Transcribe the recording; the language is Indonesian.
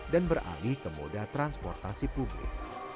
dan beralih ke moda transportasi publik